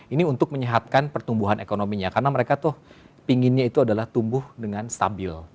ini untuk menyehatkan pertumbuhan ekonominya karena mereka tuh pinginnya itu adalah tumbuh dengan stabil